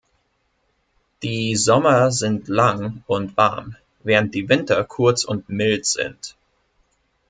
Die Sommer sind lang und warm, während die Winter kurz und mild sind.